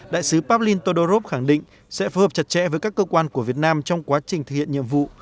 đại sứ pablin todorov khẳng định sẽ phù hợp chặt chẽ với các cơ quan của việt nam trong quá trình thực hiện nhiệm vụ